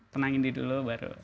tenangin diri dulu baru